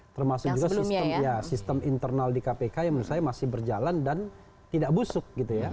termasuk juga sistem internal di kpk yang menurut saya masih berjalan dan tidak busuk gitu ya